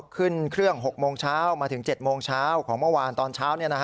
ขึ้นเครื่อง๖โมงเช้ามาถึง๗โมงเช้าของเมื่อวานตอนเช้า